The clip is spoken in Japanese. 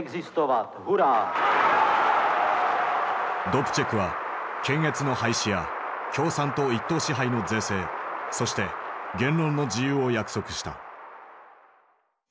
ドプチェクは「検閲の廃止」や「共産党一党支配の是正」そして「言論の自由」を約束した。